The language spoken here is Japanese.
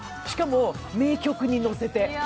しかも名曲に乗せて。